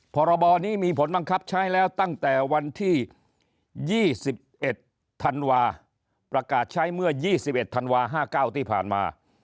พรบนี้มีผลบังคับใช้แล้วตั้งแต่วันที่๒๑ธันวาประกาศใช้เมื่อ๒๑ธันวา๕๙ที่ผ่านมา